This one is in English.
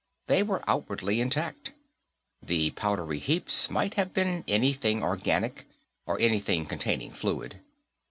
They were outwardly intact. The powdery heaps might have been anything organic, or anything containing fluid.